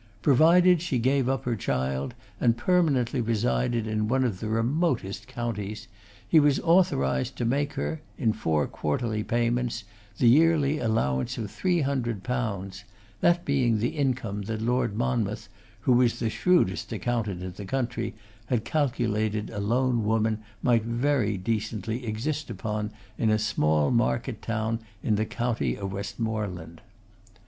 Provided she gave up her child, and permanently resided in one of the remotest counties, he was authorised to make her, in four quarterly payments, the yearly allowance of three hundred pounds, that being the income that Lord Monmouth, who was the shrewdest accountant in the country, had calculated a lone woman might very decently exist upon in a small market town in the county of Westmoreland.